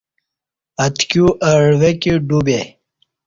اتکیو اہ عوہ کی ڈو بے